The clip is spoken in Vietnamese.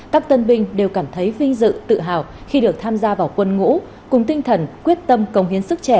các tân binh đều cảm thấy vinh dự tự hào khi được tham gia vào quân ngũ